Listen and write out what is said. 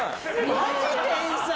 マジ天才！